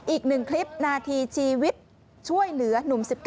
อีกหนึ่งคลิปนาทีชีวิตช่วยเหลือหนุ่ม๑๘